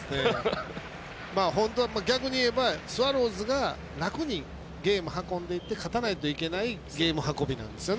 本当は逆に言えばスワローズが楽にゲーム運んでいって勝たないといけないゲーム運びなんですよね。